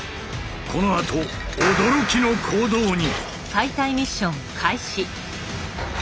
このあと驚きの行動に！